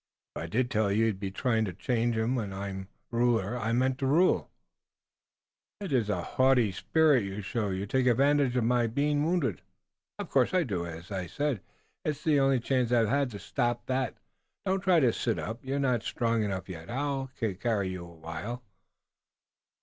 If I did you'd be trying to change 'em. While I'm ruler I mean to be ruler." "It is a haughty spirit you show. You take advantage of my being wounded." "Of course I do. As I said, it's the only chance I've had. Stop that! Don't try to sit up! You're not strong enough yet. I'll carry you awhile."